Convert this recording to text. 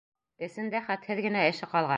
Эсендә хәтһеҙ генә эше ҡалған.